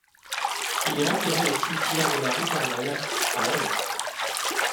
Il est enterré au cimetière de la rue Carnel, à Lorient.